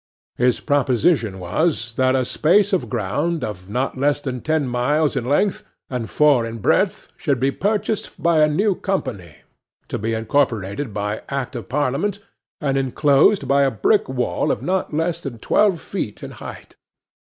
His proposition was, that a space of ground of not less than ten miles in length and four in breadth should be purchased by a new company, to be incorporated by Act of Parliament, and inclosed by a brick wall of not less than twelve feet in height.